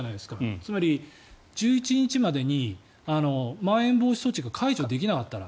つまり１１日までにまん延防止措置が解除できなかったら。